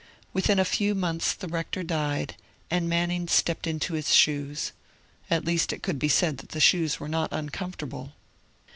Within a few months the rector died, and Manning stepped into his shoes; and at least it could be said that the shoes were not uncomfortable.